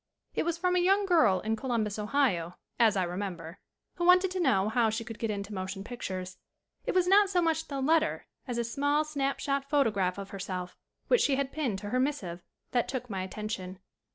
It was from a young girl in Columbus, Ohio, as I remember, who wanted to know how she could get into motion pictures. It was not so much the letter as a small snap shot photo graph of herself which she had pinned to her missive that took my attention.